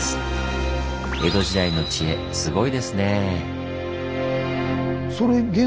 江戸時代の知恵すごいですね。